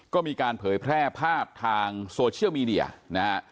ก็มีการเผยแพร่ภาพทางโซเชียลมีเดียนะฮะ